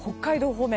方面